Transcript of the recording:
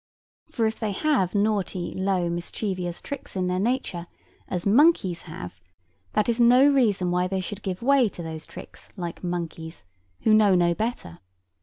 For if they have naughty, low, mischievous tricks in their nature, as monkeys have, that is no reason why they should give way to those tricks like monkeys, who know no better.